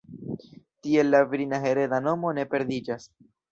Tiel la virina hereda nomo ne perdiĝas.